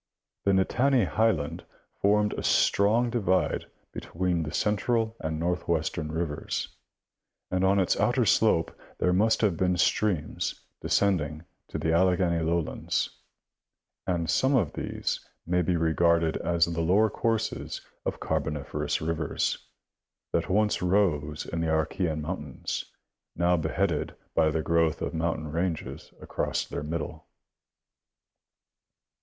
The Nittany highland formed a strong divide between the central and northwestern rivers, and on its outer slope there must have been streams descending to the Alleghany lowlands ; and some of these may be regarded as the lower courses of Car boniferous rivers, that once rose in the Archean mountains, now beheaded by the growth of mountain ranges across their middle.